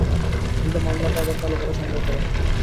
কিন্তু মামলাটা আবার চালু করা সম্ভব হবে না।